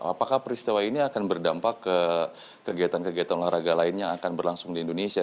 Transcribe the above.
apakah peristiwa ini akan berdampak ke kegiatan kegiatan olahraga lain yang akan berlangsung di indonesia